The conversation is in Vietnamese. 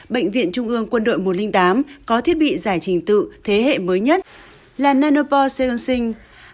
bệnh viện trung ương quân đội một trăm linh tám có thiết bị giải trình tự thế hệ mới nhất là nanopor seanolsing